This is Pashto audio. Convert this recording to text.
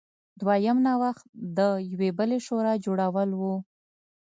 دویم نوښت د یوې بلې شورا جوړول و.